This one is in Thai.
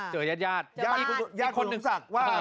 เจอญาติญาติย่างคนซ่อมสักว่า